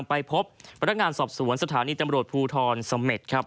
ไปพบพนักงานสอบสวนสถานีตำรวจภูทรเสม็ดครับ